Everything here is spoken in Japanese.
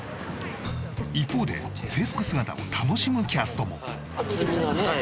一方で制服姿を楽しむキャストも厚みがね